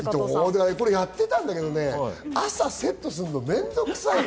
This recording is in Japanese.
これやってたんだけど朝セットするの面倒くさいの。